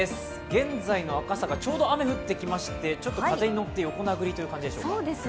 現在の赤坂、ちょうど雨が降ってきましてちょっと風に乗って横殴りという感じです。